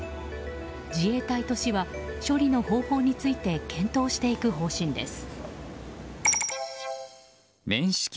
自衛隊と市は処理の方法について検討していく方針です。